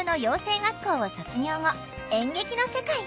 学校を卒業後演劇の世界へ。